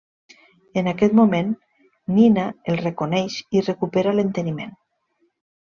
En aquest moment, Nina el reconeix i recupera l'enteniment.